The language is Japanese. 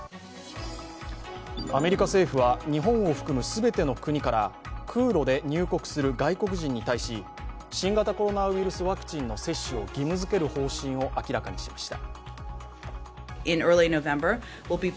アメリカ政府は日本を含む全ての国から空路で入国する外国人に対し、新型コロナウイルスワクチンの接種を義務づける方針を明らかにしました。